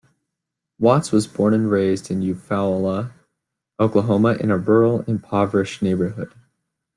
Watts was born and raised in Eufaula, Oklahoma, in a rural impoverished neighborhood.